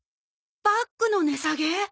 バッグの値下げ？